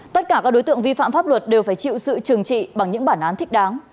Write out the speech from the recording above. tất cả các đối tượng vi phạm pháp luật đều phải chịu sự trừng trị bằng những bản án thích đáng